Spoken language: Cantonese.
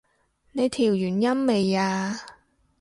你調完音未啊？